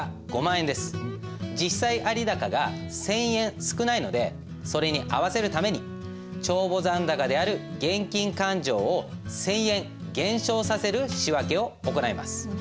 実際有高が１，０００円少ないのでそれに合わせるために帳簿残高である現金勘定を１，０００円減少させる仕訳を行います。